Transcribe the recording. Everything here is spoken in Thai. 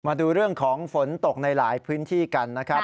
มาดูเรื่องของฝนตกในหลายพื้นที่กันนะครับ